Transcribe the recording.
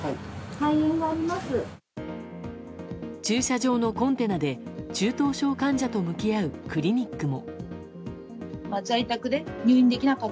駐車場のコンテナで中等症患者と向き合うクリニックも。